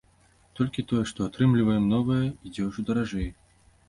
Толькі тое, што атрымліваем новае, ідзе ўжо даражэй.